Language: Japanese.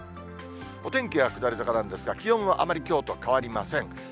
お天気は下り坂なんですが、気温はあまりきょうと変わりません。